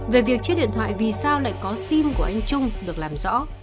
về việc chiếc điện thoại vì sao lại có sim của anh trung được làm rõ